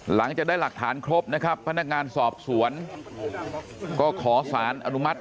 หลังจากได้หลักฐานครบนะครับพนักงานสอบสวนก็ขอสารอนุมัติ